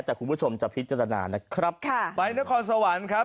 แต่คุณผู้ชมจะพิจารณานะครับค่ะไปนครสวรรค์ครับ